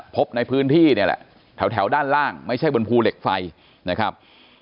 พบในพื้นที่เนี่ยแหละแถวด้านล่างไม่ใช่บนภูเหล็กไฟนะครับ